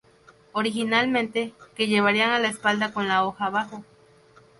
Originalmente, que llevarían a la espada con la hoja abajo.